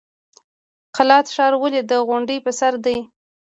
قلات ښار ولې د غونډۍ په سر دی؟